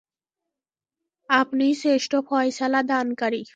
আপনিই শ্রেষ্ঠ ফয়সালা দানকারী।